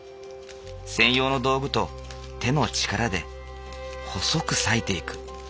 専用の道具と手の力で細く割いていく。